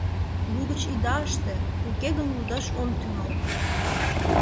— Лугыч ида ыште, уке гын лудаш ом тӱҥал.